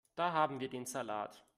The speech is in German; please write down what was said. Da haben wir den Salat.